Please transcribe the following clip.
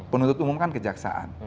penuntut umum kan kejaksaan